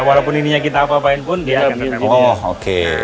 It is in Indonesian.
walaupun ininya kita apa apain pun dia akan tetap ini